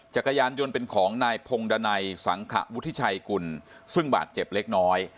จักรยานยนต์เป็นของนายพงดันัยสังขวุฒิชัยกุลซึ่งบาดเจ็บเล็กน้อย